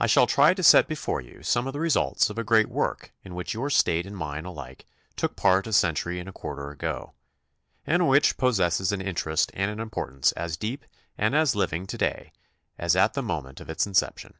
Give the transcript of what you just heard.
I shall try to set before you some of the results of a great work in which your State and mine alike took part a century and a quarter ago, and which possesses an interest and an importance as deep and as living to day as at the moment of its in ception.